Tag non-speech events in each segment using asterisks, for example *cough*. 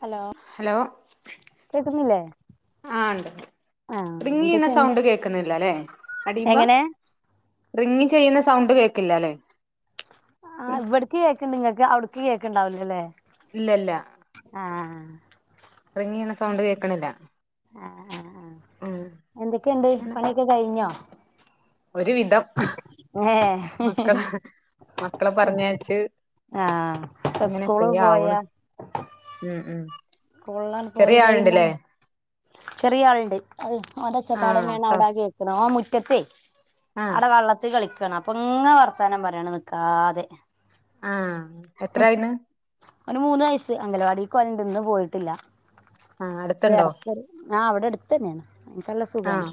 Hello കേക്കുന്നില്ലേ ആഹ ഉണ്ട് ആഹ് റിങ്ങ് ചെയുന്ന എന്തൊക്കെയുണ്ട് സൗണ്ട് കേൾക്കുന്നില്ലല്ലേ അടിയ്ബൊ എങ്ങനെ റിംങ് ചെയ്യുന്ന സൗണ്ട് കേൾക്കില്ലല്ലേ ആ ഇവിടേക്ക് കേൾക്കണ്ടണ്ട് നിങ്ങൾക്ക് അവിടക്ക് കേക്കണ്ടാവില്ലല്ലേ ഇല്ലല്ല ആഹ്‌. റിങ്ങേയിനെ സൗണ്ട് കേൾക്കണില്ല ഉം. എന്തൊക്കെണ്ട് പണിയൊക്കെ കഴിഞ്ഞോ ഒരു വിധം ഹ് ഏഹ് മക്കളെ മക്കളെ പറഞ്ഞച്ച് ആഹ് അങ്ങനെ സ്കൂള് ഫ്രീയാവ്ണ് ഉം ഉം. സ്കൂളിലങ്ങ് ചെറിയ പോയി കഴിഞ ആളുണ്ടല്ലേ ചെറിയ ആളുണ്ട് ഓന്റെ ആ ഒരച്ചപ്പാട തന്നെയാണ് സ അവിട കേക്കുന്നത് മുറ്റത്തെ ആ അടെ വെള്ള ത്തിൽ കളിക്കുവാണ് അപ്പം ഇങ്ങനെ വർത്താന പറയാണ് നിക്കാതെ ആഹ്‌. ഒന് മൂന്ന് വയസ്സ് അംഗലവാടി പൊവല്ണ്ട് ഇന്ന് പോയിട്ടില്ല ആ അത് അടുത്തുണ്ടോ ഇടക്ക അ അവ്ടെ അട് ത്തെനെയാണ് നിക് നല്ല ആ സുഖാണ്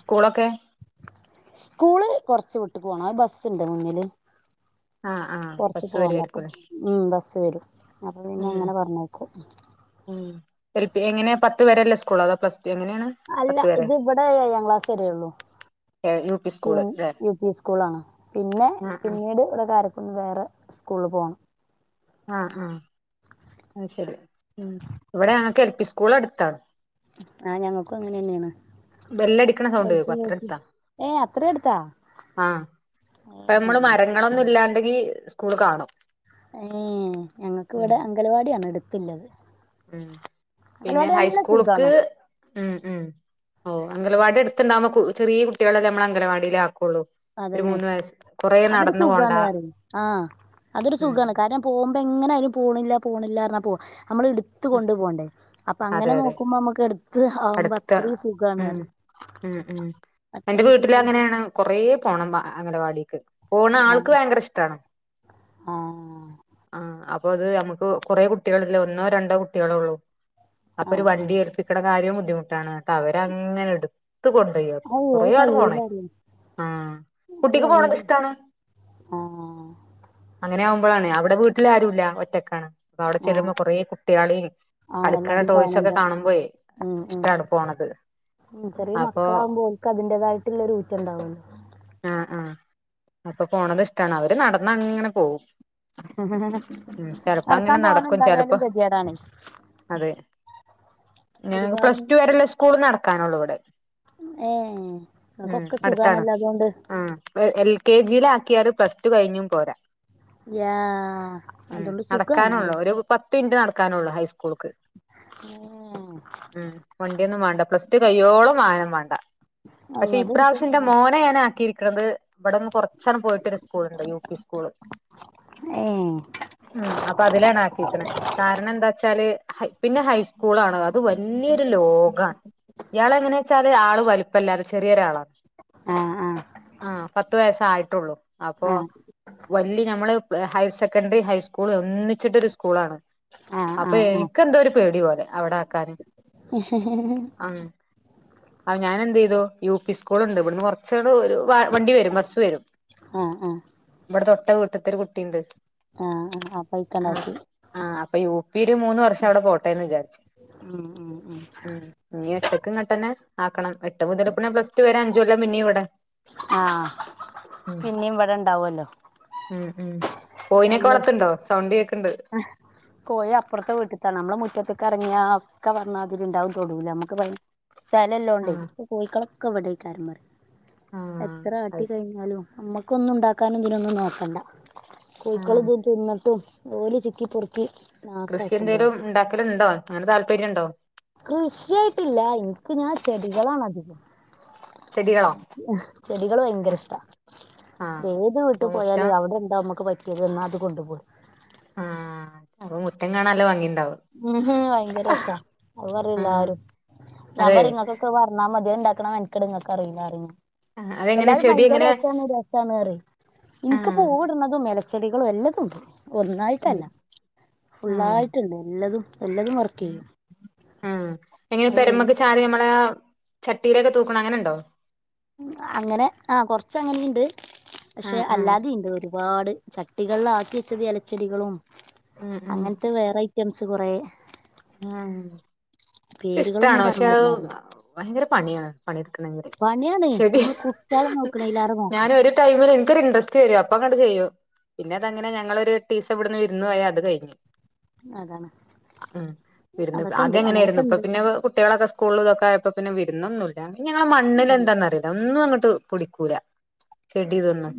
സ്കൂളൊക്കെ സ്കൂള് കൊറച്ച് വിട്ട് പോണം ബസ്സുണ്ട് മുന്നില് ആഹ്‌ ആഹ്‌. കുറച്ചു പോണം അപ്പ ഉം ബസ് വരും അപ്പൊ പിന്നെ ഉം അങ്ങനെ പറഞ്ഞേക്കും ഉം എൽ പി എങ്ങനെ പത്ത് വരെല്ല സ്കൂള അതോ പ്ലസ്ടു എങ്ങനെയാണ് പത്ത് അല്ല വരെ ഇത് ഇവിടെ എയാം ക്ലാസ് വരേ ഉള്ളൂ ഹേ ലു പിസ് യു പി സ്കൂളാ ണ് പിന്നെ ആഹ് ആഹ് പിന്നീട് ഉള്ള കാര് ഒന്ന് വേറെ സ്കൂള് പോണം ആ ആ അശരി ഉം ഇവിടെ ഞങ്ങക്ക് എൽ പി സ്കൂൾ അടുത്താ ആ ഞങ്ങൾക്കും അങ്ങനെ തന്നെയാണ് ബെല്ലടിക്കണ സൗണ്ട് എൽ പി കേക്കും യുപി ങേ അത്ര എടുത്താ ആ അപ്പ നമ്മള് മരങ്ങളൊന്നും ഇല്ലാണ്ടെങ്കി സ്കൂള് കാണും ഏ ഞങ്ങൾക്ക് ഉം ഇവിടെ അംഗലവാടിയാണ് അടുത്തള്ളത് ഉം പിന്നെ ഹൈസ്കൂൾക്ക് ഉം ഉം ഓ അംഗലവാടി എടുത്തുണ്ടാവുമ്പോ ചെറിയ കുട്ടികളെല്ലേ നമ്മൾ അംഗലവാടിയിലേ ആക്കുള്ളൂ ഒരു അതന്നെ മൂന്ന് വയസ്സ് കൊറേ അതൊരു നടന്നു പോണ്ട സുഖാണ് ആ അതൊരു ഉം സുഖമാണ് കാരണം പോകുമ്പോ എങ്ങനായാലും പോണില്ല പോണില്ലാ പോക നമ്മൾ എട് ത്ത് കൊണ്ട് പോണ്ടേ അപ്പൊ അതെ അങ്ങനെ അതെ നോക്കുമ്പോ നമുക്ക് എട് അടുത്ത ഉം ഉം ഉം എന്റെ അത്രയും വീട്ടിൽ സുഖം അങ്ങനെയാണ് കൊറെപോണം അംഗവാടിക്ക് പോണ ആൾക്ക് ആഹ് ഭയങ്കര ഇഷ്ടാണ് ആഹ് ആ അപ്പൊ ത് അമ്മക്ക് കൊറേ കുട്യള്ല്ല ഒന്നോ രണ്ടോ കുട്യേളൊള്ളൂ അപ്പൊര് ആഹ് ആഹ് വണ്ടി ഏൽപ്പിക്കണ കാര്യം ബുദ്ധിമുട്ടാണ്ട്ട് ന്നട്ട വരങ്ങനെ ട്ത്ത കൊണ്ടോയി അത് കൊറേ അത് ആട് കഴിയൂല പോണേ പറയും മ് അത് കുട്ടിക്ക് ഭയങ്കര പോണത്ഷ്ടാണ് ആഹ് അങ്ങനെ ആവുമ്പോഴാണ് അവിടെ വീട്ടിലാരുല്ല ഒറ്റക്കാണ് അവ്ടെ ചെല്ലു ആഹ് മ്പോ കൊറേ കുട്യാളി കളിക്കണ ടോയ്സൊക്കെ കാണുമ്പോ മ് മ് ചെറ്യേ അപ്പൊ മക്കളാവുമ്പോ ഓൽക്കതിറേതായിട്ടുള്ളരു ഊറ്റം ണ്ടാവല്ലോ ആഹ് ആഹ് അപ്പൊ പോണത് ഷ്ടാണ് അവര് നടന്ന ങ്ങനെ പോവും മ് ചെലപ്പോ നടക്കാൻ അങ്ങനെ തോനെ നടക്കും ഉണ്ടായാലും ചെലപ്പോ ഗതികേടാണ് അതെ ഞങ്ങക് ഒരുപാട് പ്ള്സ് ടു വരെള്ള സ്കൂള് നടക്കാനൊള്ളൂ വെടെ ഏ ങ്ങകൊക്കെ സുഖാണല്ലോ അതോണ്ട് ആഹ് എൽ കെ ജിൽ ആക്കിയാല് പ്ലസ് ടു കഴിഞ്ഞും പോരാ യാ അതൊണ്ട് സുഖാണ് ത്തിൻറ്റ് നടക്കാനൊള്ളൂ ഹൈസ്കൂൾക്ക് മ്മ് മ് വണ്ഡ്യോന്നും വാണ്ട പ്ളസ് ടു കയ്യോളും വാഹനം വാണ്ട അത് പഷെ അതൊരു ഇപ്രാവശ്യം ന്റെ മോനെ ഞാ ക്കിരിക്ക്ണത് ഇവിടെന്ന് കൊറച്ചാണ്ട് പോയിട്ടൊര് സ്കൂൾണ്ട് യു പി സ്കൂള് ഏ മ് അപ്പൊ അതിലാണ് ആാക്കിക്ണെ കാരണം ന്താ ച്ചാല് പിന്നെ ഹൈസ്കൂളാണ് അത് വല്യരു ലോകാണ് ഇയാളെങ്ങനെ ച്ചാല് ആള് വലിപ്പല്ലാതെ ചെര്യോരാള ആഹ് ആഹ് ആഹ് പത്ത് വയസ്സായിട്ടൊള്ളൂ അപ്പൊ വല്യ നമ്മള് ഹയർ സെക്കൻഡറി ഹൈസ്കൂള് ഒന്നിച്ചിട്ടൊര് സ്കൂളണ് ആ ആ ആ അപ്പെ ആ ന്ക്കെന്തോര് പേടി പോലെ അവിടാക്കാന് *inaudible* അഹ് ഞാനെന്തെയ്തു യു പി സ്കൂൾുണ്ട് വിട്ന്ന് ചാട് വണ്ടി വരും ബസ്സ് വരും ആഹ് ആഹ് വ്ടെ തൊട്ട വീട്ടതൊര് കുട്ടിണ്ട് ആഹ് ആഹ് അപ്പയ്ക്കാണ്ടാക്കി ആഹ് അപ്പ യു പില് മൂന്ന് വർഷടെ പോട്ടേന്ന് വിചാര്ച്ച ഉം ഉം ഉം മ് ഇനി എട്ടക്ങ്ങട്ടന്നെ ആകണം എട്ട് മുതല് പിന്നെ പ്ളസ്ടടു വരെ അഞ്ചോല്ല പിന്നീ വ് *inaudible* ആഹ് പിന്നി വ്ടെ ണ്ടാവല്ലോ മ് മ് കോയിനൊക്കെ വളർത്തണ്ടോ സൗണ്ട് കേക്ണ്ട് പോയി അപ്പർത്തെ വീട്ടിത്താണ് അമ്മളെ മുറ്റത്തക്കെറങ്യാ ക്ക പർഞ്ഞാ തിര് ണ്ടാവും തൊടൂല് അമ്മക്ക് പൈ സ്ഥലല്ലോ ണ്ടേ ആഹ് കോയ്ക്കളൊക്കെ വിടേക്കാരപറിം ആഹ് അത് എത്രാട്ടി ശരി കയ്ഞ്ഞാലും അമ്മകൊന്നും ണ്ടാക്കാനും തിനൊന്നും നോക്കണ്ട ആഹ് കോഴക്കളുംത് തിന്നിട്ട് ഓല് ചിക്കി പൊർക്കി കൃഷി എന്തേലും ണ്ടാക്കല് ണ്ടോ അങ്ങനെ താല്പര്യം ണ്ടോ കൃശ്യായിട്ടില്ല എനിക്ക് ങ്ങനെ ചെടികളാണധികം ചെടികളോ ചെടികള് ഭയങ്കര ഇഷ്ട ആഹ് ഏത് അപ്പൊ വിട്ട് മുറ്റം പോയാലും അവിടെ ണ്ടോ അമ്മക്ക് പട്ട്യാത് ന്ന അത് കൊണ്ടുപോരും ആഹ് അപോ മുറ്റം കാണാല്ല ഭംഗിണ്ടാവും ഭയങ്കര സാ അത് ആഹ് പറ്യേല്ലാരും ഞാൻ അതെ പറിം ങ്ങക്കെ ങ്ങക് പറഞ്ഞാ മതി അഹ്ണ്ടാക്കണം മെൻകട് നങ്ങക്ക് അറീല റിം അതെങ്ങനെ എല്ലാരും ചെടി ഭയങ്കര എങ്ങനെ രസാണ് രസാണ്റിം ൻക്ക് ആഹ് പോവിട്ണതും എലച്ചെടികളും എല്ലതും ണ്ട് ഉം ഒന്നായിട്ടല്ല ആഹ് ഫുള്ളായിട്ട്ണ്ട് ല്ലതും എല്ലതും വർകെയ്യും മ് എങ്ങനെ പെരമെക്ക് ചാരി അമ്മള ചട്ടിലൊക്കെ തൂക്ക്ണെ അങ്ങനെണ്ടോ അങ്ങനെ ആഹ് കൊറച്ച് അങ്ങനേം ണ്ട് പക്ഷെ ആഹ് ആഹ് അല്ലാതെയുണ്ട് ഒരുപാട് ചട്ടികളിലാക്കി വെച്ചത് ഇലച്ചെടികളും ഉം ഉം അങ്ങനത്തെ വേറ ഐറ്റംസ് കുറേ ഏഹ് ഇക്ക്ഷ്ടാണ് പേരുകളൊന്നും പക്ഷെ പറഞ്ഞു അഹ് തരില്ലാന്ന് ഭയങ്കര പണിയാണ് പണിയെടുക്കണങ്കില് ചെടി ട്യാളെ നോക്കണേലേറെ നോ ഞാൻ ഒരു ടൈമില് എനിക്കൊരു ഇൻറസ്റ്റ് അയ്നു അപ്പങ്ങട്ട് ചെയ്യും പിന്നെ അതങ്ങന ഞങ്ങളൊരു എട്ടീസം ഇവട്ന്ന് വിരുന്നു പോയാ അത് കഴിഞ്ഞ് അതാണ് അതൊക്കെ ഉണ്ട് ആദ്യങ്ങനെ ആയിരുന്നു അങ്ങനെയൊക്കെ ഇപ്പ ഉണ്ട് പിന്നെ കുട്ട്യാളൊക്കെ സ്കൂളിലുംതൊക്കെ ആയപ്പോ പിന്നെ വിരുന്നൊന്നൂല്ല ഞങ്ങളെ മണ്ണിൽ ഉം എന്താന്നറിയോ ഒന്നും അങ്ങോട്ട് പിടിക്കൂല ചെടി ഇതൊന്നും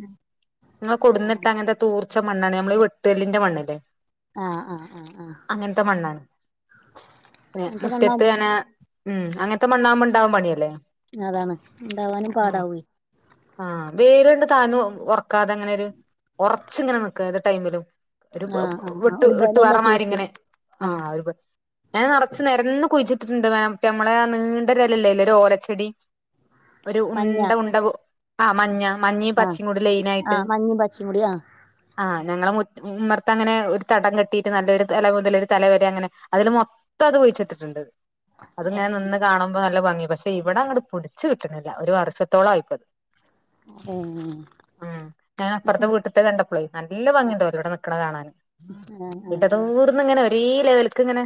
ഇങ്ങനെ കൊടുന്നിട്ട അങ്ങനത്തെ തൂർച്ച മണ്ണാണ് നമ്മള് വെട്ടല്ലിന്റെ മണ്ണ്ല്ലേ ആഹ് ആഹ് ആഹ് ആഹ് ന്നെ മുറ്റത്ത് അങ്ങനെ ഉം അങ്ങനത്തെ മണ്ണാവുമ്പ ണ്ടാവാൻ പണിയല്ലേ അതാണ് ണ്ടാവാനും പാടാവോയ്‌ ആഹ് വേര്ങ്ട്ട് താന്ന് ഉറക്കാതെ അങ്ങനൊരു ഒറച്ച്ങ്ങനെ നിക്ക ഏത് ടൈമിലും ഒരു ആ ആ ആ വിട്ട് ഒരു വിട്ട് ബലല്ല സൈസ് പാറമാരിങ്ങനെ ആ ആഹ് ഒരു ഞാൻ നിറച്ച് നിരന്ന് കുഴിച്ചിട്ടിട്ടുണ്ട് നമ്മളെ ആഹ് നീണ്ടരൊലല്ലേല്ലേ ഒരു ഓലച്ചെടി ഒരു മഞ്ഞ ഉണ്ട ഉണ്ട പൊ ആഹ് മഞ്ഞ മഞ്ഞീം പച്ചയും കൂടി ലെയിനായിട്ട് ച്ചീ കൂടിയ ആഹ് ഞങ്ങളെ മുറ്റ് ഉമ്മർത്തങ്ങനെ ഒരു തടം കെട്ടിയിട്ട് നല്ലൊരു തല മുതല് ഒരു തല വരെ അങ്ങനെ അതില് മൊത്തം ഇത് കുയിച്ചിട്ടിട്ടുണ്ട് ഏ അത്ങ്ങനെ നിന്ന് കാണുമ്പോ നല്ല ഭംഗിയാ പക്ഷെ പക്ഷെ ഇവിടെ അങ്ങട്ട് പിടിച്ചു കിട്ടുന്നില്ല ഒരു വർഷത്തോളം ആയിപ്പത് ഏഹ് ഞാന് അപ്പുറത്തെ വീട്ടത്തെ കണ്ടപ്പോളേ നല്ല ഭംഗിണ്ട് ഓലോടെ നിക്കണ കാണാൻ ആ ആ ഇട തൂർ ന്നിങ്ങനെ ഒരേ ലെവൽക്ക് ഇങ്ങനെ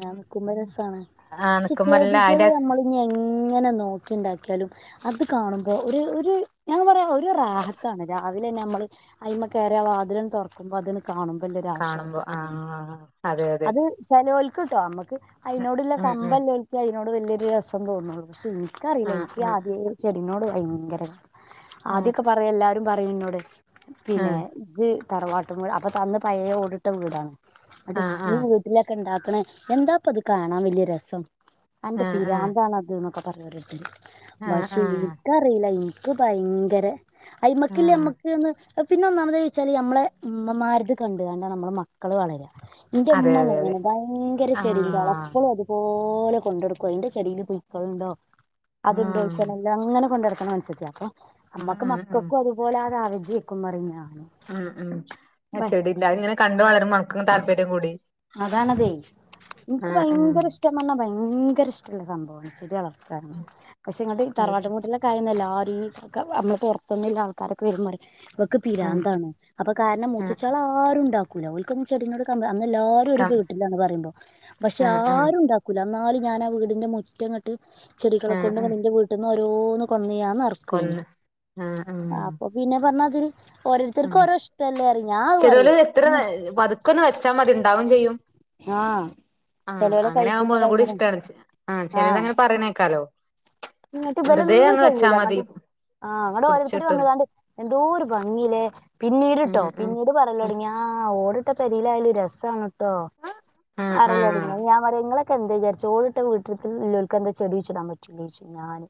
ആഹ് നിക്കുമ്പ രസാണ് ആ പക്ഷെ നിക്കുമ്പല്ല ചെടികള് അതിന്റെ നമ്മള് ഇഞ്ഞി എങ്ങനെ നോക്കിണ്ടാക്കിയാലും അത് കാണുമ്പോ ഒരു ഒരു ഞാൻ പറയാ ഒരു റാഹത്താണ് രാവിലെ തന്നെ നമ്മള് അയിമ്മെ കയറി ആ വാതിലങ്ങട്ട് തുറക്കുമ്പോ അതിണ് കാണുമ്പല്ലൊരു കാണുമ്പോ ആ ആശ്വാസത്രേണ് അതെ അതെ അത് ചെലോൽക്ക് ട്ടോ നമുക്ക് അയിനോടുള്ള ഉം ഉം കമ്പല്ലോലിക്കെ അയിനോട് വലിയൊരു രസം തോന്നുള്ളൂ പക്ഷെ ഇൻ നിക്കറിയില്ല ആ എനിക്ക് ആ ആദ്യേ ചെടിനോട് ഭയങ്കര ആ ആദ്യൊക്കെ പറയു ല്ലാരും പറയും ന്നോട് ആ പിന്നെ ജ്ജ് തറവാട്ടും വീട് അപ്പൊത്ത അന്ന് പയെ ഓടിട്ട വീടാണ് ന്നട്ട് ആ ആ ഈ വീട്ട് ട്ടിലൊക്കെ ഉണ്ടാക്കണ എന്താപ്പത് കാണാം വല്യേ രസം അന്റെ ആ പിരാന്താണത് ന്നൊ ക്കെ പറയും ഓരോരുത്തര് ആ പക്ഷെ ആ എനിക്കറിയില്ല എനിക്ക് ഭയങ്കര അയിമക്കില്ലേ ആ അമ്മക്ക്ന്ന് പിന്ന ഒന്നാമതോയിച്ചാല് നമ്മളെ മ്മമാരുത് കണ്ട്ങ്കാണ്ടാണ് നമ്മളെ മക്കള് വളരാ ഇന്റെ അതെ ഇമ്മ അതെ അതെ ങ്ങനേണ് ഭയങ്കര ചെടിന്റാളാ ആഹ് പ്പളും അതുപോലെ കൊണ്ടടുക്കും അയിന്റെ ചെടീൽ പുയുക്കളുണ്ടോ അത് ആഹ് ണ്ടോയിച്ചാണം എല്ലാം അങ്ങനെ കൊണ്ട് നടക്ക്‌ണ മൻസത്യാ അപ്പൊ ഉം അമ്മക്ക് ഉം ഉം മക്കക്കും അത് പ്പോലാതാവജേക്കും പറിഞ്ഞാന് ഉം ഉം ആഹ് ചെടിന്റെ അതിങ്ങനെ കണ്ട് വളരുമ്പോ അണക്കും ങ്ങട്ട് താല്പര്യം കൂടി അതാണതെ എനിക്ക് ആഹ് ആഹ് ഭയങ്കര ഇഷ്ടം പറഞ്ഞാ ഭയങ്കര ഇഷ്ടല്ല സംഭവാണ് ചെടി വളർ ത്താൻ പക്ഷെ ഇങ്ങട്ട് ഈ അത് തറവാട്ടും ശരി വീട്ടിലെ ക്കായെന്നെല്ലാരും ഈ നമ്മള് പുറത്തിന്ന്ള്ള ആൾക്കാരൊക്കെ വരുമ്പം പറയും ക്ക്‌ ആഹ് പിരാന്താണ് അപ്പൊ കാരണം ആഹ് മുത്തച്ച്യാളാരും ണ്ടാക്കൂല ഓൽക്കൊന്നും ചെടിനോട് കമ്പം എല്ലാരും ഒരു കം വീട്ടിലാണ് പറയുമ്പോ പക്ഷെ ആഹ് ആഹ് ആരും ഉണ്ടാക്കൂല്ല എന്നാലും ഞാൻ ആ വീടിന്റെ മുറ്റങ്ങ ട്ട് ചെടികളെ ആഹ് കൊണ്ട് ങ്ങനെ ആഹ് ഇന്റെ വീട്ട്ന്ന് ഓരോന്ന് കൊട്ന്ന് ഞാൻ നെർ ക്കൊയ്നിം കൊന്ന് ആഹ് ആഹ് അപ്പൊ പിന്നെ പറഞ്ഞാതിരി. ഉം ഓരോരുത്തർക്കോരോ ഇഷ്ടല്ലേറിം ഞാ അത്റിം. ക്ക ഒന്ന് വെച്ചാ മതി ഇണ്ടാവും ചെയ്യും ആഹ് ആഹ് ചെലോലെ അങ്ങനെ ആവുമ്പോ കൈപ്പുണ്യം ഒന്ന്കൂടി കൈമരം ഇഷ്ടാണ് ഇച്ചി ആഹ് ചെലതങ്ങനെ പറയുന്നേക്കാലോ. എന്നിട്ട് ഇവലൊന്നും ചെയ്യില്ല അങ്ങ് ആഹ് അങ്ങട് ഓരോരുത്തർ പുടിച്ചിട്ടും വന്നങ്ങാണ്ട്. എന്തോറു ഭംഗില്ലേ പിന്നീട് ഉം ട്ടോ ഉം പിന്നീട്. ഉം പറല്ലോടങ്ങി ഓടിട്ട പെരയിലായാലും രസമാണ് ട്ടോ ആഹ് പരലോടിങ്ങി ആഹ് ഞാ പരിം നിങ്ങളൊക്കെ എന്തേ വിചാരിചേ ഓടിട്ട വീട്ടക്ക് ഇല്ലോൽക്കെന്തെ ചെടി കുയുചിടാൻ പറ്റൂലെയ്ച് ഞാന്.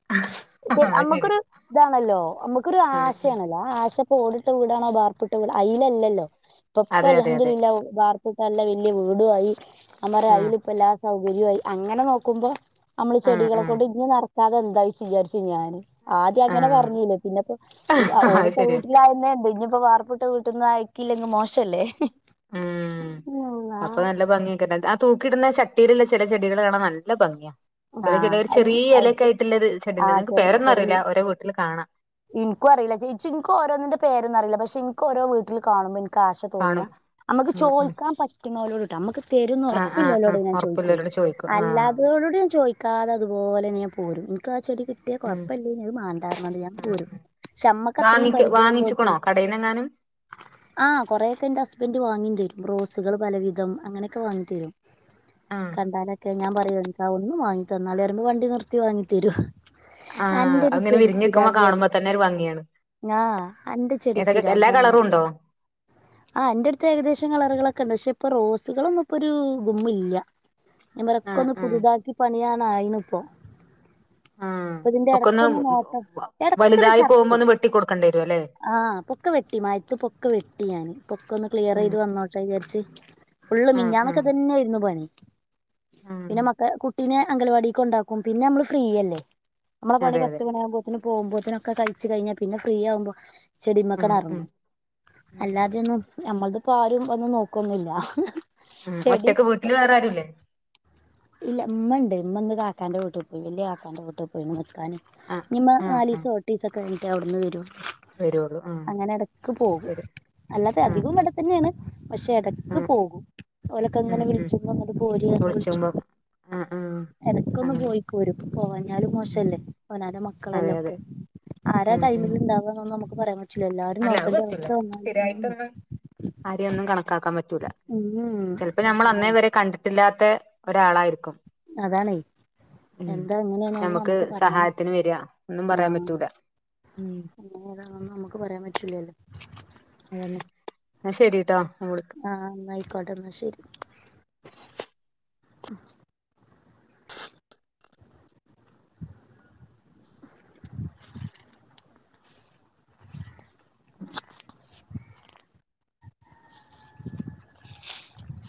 അത് ശരിയാ നമ്മുക്കൊരു ഇതാണല്ലോ നമ്മുക്കൊരു ആശ ആഹ് ല്ലോ ആശപ്പ ഓടിട്ടവീടാണോ ബാർപ്പിട്ട വിട അയില്ലല്ലോ ഇപ്പൊ അതെ അതെ അതെ അലഹമദലുല വാ ട്ടല്ല വല്യ വീടു ആയി ഞാപറയ ആഹ് അയ്ൽ ഇപ്പ എല്ലാ സൗകര്യയി അങ്ങനെ നോക്കുമ്പോ. അമ്മള് ആഹ് ആഹ് ചെടികളെകൊണ്ട് ഇന്ന നടക്കാതെ എന്തായി വിചാരിച്ചു ഞാന്. ആദ്യം അങ്ങനെ ആഹ് പറഞ്ഞില്ലേ പിന്നപ്പോ ഈ അത് ഓടിപ്പോ ശരിയാ വീട്ടിലായന്നണ്ട് ഇനിയിപ്പോ വാർപ്പ് ട്ട വീട്ടിന്ന് അയ്ക്കില്ലങ്കിൽ മോശല്ലേ. ഉം ഉം ആ അപ്പൊ നല്ല ഭംഗിയെക്ക ആ തൂക്കി ഇട്ന്ന ചട്ടിലുള്ള ചെല ചെടികൾ കാണൻ നല്ല ഭംഗ്യ. ചെല ആ ഒരു അത് ചെറിയ എലക്കായിയിട്ടിള്ളത് ആ ചെടിണ്ട്‌ എക്ക് പേരൊന്നു അറിയില്ല ഓരോ വീട്ടില് കാണാം. എനിക്കുറിയില്ല ചേച്ചി എക്കി ഓരോന്നിന്റെ പേരൊന്നറിയില പക്ഷെ ഇൻക്ക് ഓരോ വിട്ടിൽ കാണുമ്പോ എക്ക്. കാശതോന്നിയ കാണും നമുക്ക് ഉം ഉം ചോദിക്കാൻ പറ്റുന്നോലോട് ട്ടാ നമുക്ക്. തരുന്ന് ആഹ് ആഹ് ആഹ് ഒറപ്പിലോല്ലോടെ ഞാൻ ചോയിക്കോളു ഉറപ്പുള്ളോരോട് ചോദിക്കും ആഹ് അല്ലാതരോട്. ചോയിക്കാതെ അതുപോലെ ഞാൻ പോരും ഇന്ക് ആ ചെടി കിട്ടിയ ഉം കൊഴപ്പല്യേനു അത് മാണ്ടാന്നറഞ് ഞാൻ പോരും. ക്ഷമ്മക്ക് അത്രേം വാങ്ങിക്ക് പരിചയം ഇല്ലോട്ത്ത് വാങ്ങിച്ചുക്കണോ കടയിന്നെങ്ങാനും ആഹ് കൊറെയൊക്കെ എന്റെ ഹസ്ബന്റ് വങ്ങി തരും റോസുകൾ പലവിധം അങ്ങനെയൊക്കെ വാങ്ങി തരും. ആഹ് കണ്ടാലൊക്കെ ഞാൻ പറയ എന്താ ഒന്ന് വാങ്ങി തന്നാലിറിയുമ്പ വണ്ടി നിർത്തി വാങ്ങി തരൂ. ആഹ് അങ്ങനെ വിരിഞ് നിക്കുമ്പോ കാണുമ്പോ തന്നെ ഒരു ഭംഗിയാണ്. ആഹ് അന്റെ ഏതൊക്കെ എല്ലാ ചെടിപിരാന്താണ് കളറും അനക്ക്. ഉണ്ടോ ആഹ് അന്റെ അടുത്ത് ഏകദേശം കളറുകളൊക്കെ ഉണ്ട് പക്ഷെ ഇപ്പൊ റോസുകളൊന്നും ഇപ്പോ ഒരു ഗുമ്മ്ല്യാ. ഞാൻ പറയാ ആഹ് ഒക്കൊന്ന് ആഹ് പുതുതാക്കി പണിയനായിണ് ഇപ്പോ. ആഹ് ഇപ്പൊ ഇതിന്റെ ഒക്കെ ഒന്ന് എടക്കൊന്ന നോട്ടം എടക്കൊരു ചട്ക്കും. വരൂ ല്ലെ. ആഹ് പൊക്ക വെട്ടി മാഴത്ത് പൊക്ക വെട്ടി ഞാന് പൊക്ക ഒന്ന് ക്ലിയർ ഉം ചെയ്ത് വന്നോ ട്ടെ വിചാരിച്ച് ഫുള്ള് ആഹ് മിഞ്ഞാൻൊക്കെ ആഹ് ഇതന്നെ ആയിരുന്നു പണി ആഹ് പിന്നെ മക്കെ കു കുട്ടിന് അങ്കൽവാടിയൊക്കെ കുണ്ടാക്കും പിന്നെ നമ്മള് ഫ്രീയല്ലേ നമ്മെ പണി അതെ അതെ പത്ത് മണിയാവുമ്പോ. ത്തിന് പോവുമ്പോത്തിനൊക്കെ കഴ്ച്ച് കഴിഞ്ഞാ പിന്നെ ഫ്രീ ആവുമ്പോ. ചെടിമക്ക ആഹ് ആഹ് എറങ്ങു ആഹ് അല്ലാതെയൊന്നും നമ്മളതിപ്പോ ആരും ഒന്നും നോക്കൊന്നുല്ല. ഉം ചെടി ഒറ്റക്ക് വീട്ടില് വേറാരുല്ലേ. ഇല്ല ഇമ്മണ്ട് ഇമ്മ ഇന്ന് കാക്കാന്റെ വീട്ടി പോയി വല്യ കാക്കാന്റെ വീട്ട. നിക്കാൻ ആഹ് ഇനിമ്മ ആഹ് നാലീസ ആഹ് എട്ടീസൊക്കെ കഴിഞ്ഞിട്ട് അവിടുന്ന് വരും. വരുള്ളൂ ആഹ് അങ്ങനെ എടക്ക് അത് പോകും. ശരി അല്ലാതെ ആഹ് അധികും ആഹ് ഇവിടെ തന്നെയാണ് പക്ഷെ എടക്ക് ആഹ് പോകും. ഓലൊക്കെ ഉം അങ്ങനെ ഉം വിളിച്ചു പോരിന്ന് വിളിച്ചു. വിളിച്ചുമ്പോ ആഹ് ആഹ് എടക്കൊന്ന് അങ്ങനെ പോയി പോരും പോവാഞ്ഞാലും ഉം മോശല്ലേ അവനന്റെ മക്കളെലെ അതെ ഒക്കെ. അതെ ആരാ ഉം ഉം ടൈമിൽ ഇണ്ടാവാന്നൊന്നും നമുക്ക് പറയാൻ പറ്റില്ല എല്ലാരും അല്ല നോക്കേണ്ട അവസ്ഥ വന്നാലും. ആരെയൊന്നും കണക്കാക്കാൻ പറ്റൂല ഉം ഉം ചെലപ്പോ ഞമ്മൾ അന്നേ അതാണ് വരെ കണ്ടി ട്ടില്ലാത്തെ ഒരാളായിരിക്കും. അതാണെ. ഉം എന്താ എങ്ങനെയന്നൊന്ന് നമുക്ക് നമ്മുക്ക് പറയാനേ സഹായത്തിന് വരിക ഒന്നും പറയാൻ ആഹ് പറ്റൂല ഉം അങ്ങ ഏതാന്നൊന്നും നമുക്ക് പറയാൻ പറ്റില്ലല്ലോ. ന്നാ ശരിട്ടോ ഞാൻ വിളിക്കാ ആഹ് ന്ന ആയിക്കോട്ടെ എന്നാ ശരി. ഉം *unintelligible* *unintelligible* *unintelligible*